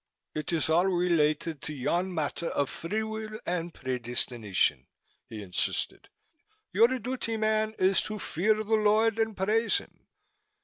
"It is all related to yon matter of free will and predestination," he insisted. "Your duty, man, is to fear the Lord and praise Him.